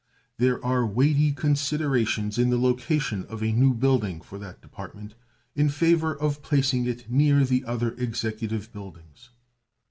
There are weighty considerations in the location of a new building for that Department in favor of placing it near the other executive buildings.